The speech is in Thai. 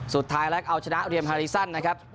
สุดท้ายแลกเอาชนะเรียมฮาริสันนะครับ